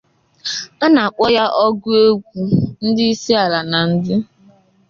A na-akpọ ya ọgụegwu ndi isi ala na ndị.